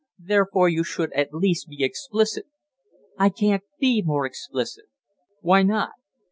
Therefore you should at least be explicit." "I can't be more explicit." "Why not?"